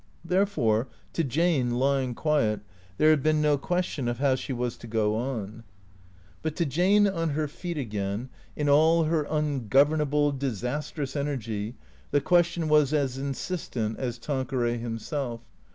Therefore to Jane, lying quiet, there had been no question of how she was to go on. THECEEATOES 449 But to Jane on her feet again, in all her ungovernable, dis astrous energy, the question was as insistent as Tanqueray him self.